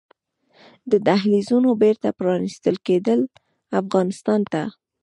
د دهلېزونو بېرته پرانيستل کیدل افغانستان ته